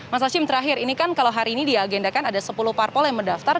mas hashim terakhir ini kan kalau hari ini diagendakan ada sepuluh parpol yang mendaftar